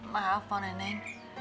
maaf puan nenek